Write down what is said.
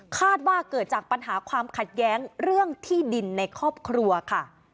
คาดว่าเกิดจากปัญหาความขัดแย้งเรื่องที่ดินในครอบครัวค่ะ